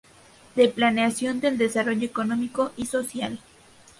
De Planeación del Desarrollo Económico y Social.